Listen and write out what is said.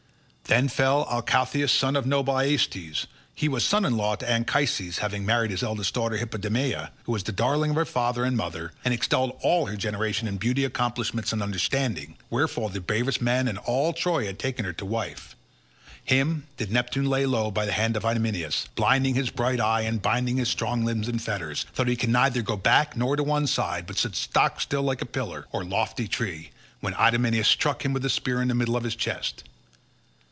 Then fell Alcathous son of noble Aesyetes; he was son in law to Anchises, having married his eldest daughter Hippodameia, who was the darling of her father and mother, and excelled all her generation in beauty, accomplishments, and understanding, wherefore the bravest man in all Troy had taken her to wife—him did Neptune lay low by the hand of Idomeneus, blinding his bright eyes and binding his strong limbs in fetters so that he could neither go back nor to one side, but stood stock still like pillar or lofty tree when Idomeneus struck him with a spear in the middle of his chest.